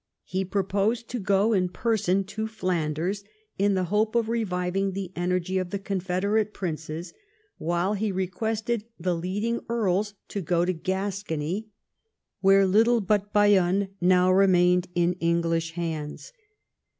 He proposed to go in person to Flanders in the hope of reviving the energy of the confederate princes, Avhile he requested the leading earls to go to Gascony, where 194 EDWARD I chap. little but Bayonne now remained in English hands.